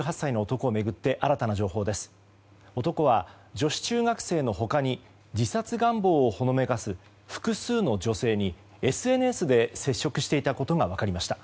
男は女子中学生の他に自殺願望をほのめかす複数の女性にＳＮＳで接触していたことが分かりました。